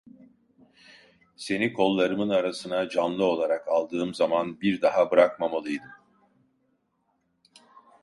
Seni kollarımın arasına canlı olarak aldığım zaman bir daha bırakmamalıydım.